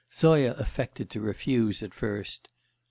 Zoya affected to refuse at first....